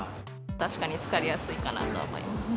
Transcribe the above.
確かに疲れやすいかなとは思います。